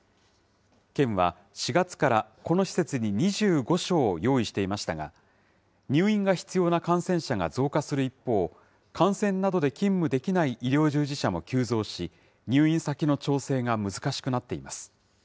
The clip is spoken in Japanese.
県は、４月からこの施設に２５床用意していましたが、入院が必要な感染者が増加する一方、感染などで勤務できない医療従事者も急増し、入院先の調整が難しくなっています。